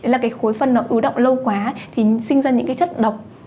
là cái khối phân nó ứ động lâu quá thì sinh ra những cái chất độc